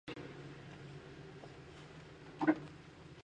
La carrocería del Smart Car revela de forma clara, un diseño funcional y modular.